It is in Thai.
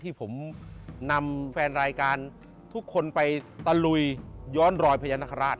ที่ผมนำแฟนรายการทุกคนไปตะลุยย้อนรอยพญานาคาราช